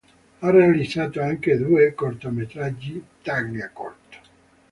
Ha realizzato anche due cortometraggi: "Taglia corto!